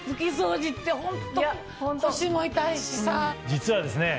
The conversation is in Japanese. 実はですね